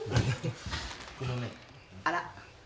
あら？